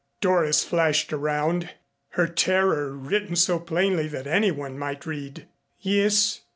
Doris flashed around, her terror written so plainly that anyone might read. "Yes.